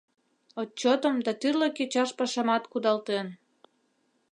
Отчётым да тӱрлӧ кечаш пашамат кудалтен.